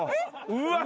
うわっ。